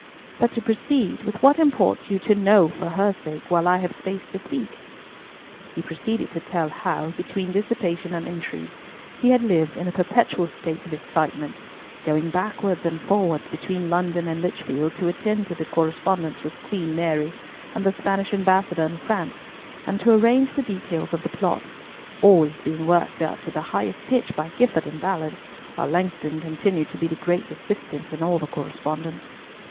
But to proceed with what imports you to know for her sake, while I have space to speak." He proceeded to tell how, between dissipation and intrigue, he had lived in a perpetual state of excitement, going backwards and forwards between London and Lichfield to attend to the correspondence with Queen Mary and the Spanish ambassador in France, and to arrange the details of the plot; always being worked up to the highest pitch by Gifford and Ballard, while Langston continued to be the great assistant in all the correspondence.